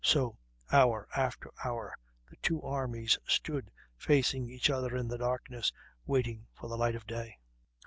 So, hour after hour, the two armies stood facing each other in the darkness, waiting for the light of day.